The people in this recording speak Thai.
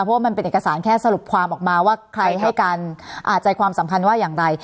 เพราะว่ามันเป็นเอกสารแค่สรุปความออกมาว่าใครให้การใจความสำคัญว่าอย่างไร